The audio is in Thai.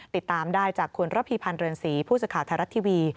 ติดตามได้จากคุณระพีพันธ์เรือนสีผู้สาขาธารัฐทีวี